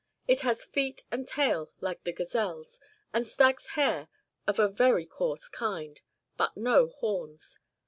It has feet and tail like the gazelle's, and stag's hair of a very coarse kind, but no horns.